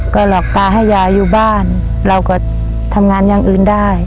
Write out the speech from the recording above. ก็หลอกตาให้ยายอยู่บ้านเราก็ทำงานอย่างอื่นได้